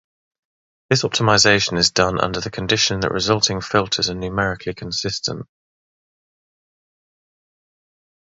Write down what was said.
This optimization is done under the condition that resulting filters are numerically consistent.